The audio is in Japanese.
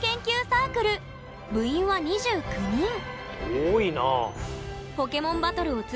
多いなあ。